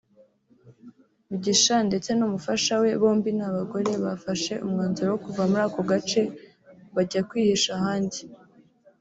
Mugisha ndetse n’umufasha we (bombi ni abagore) bafashe umwanzuro wo kuva muri ako gace bajya kwihisha ahandi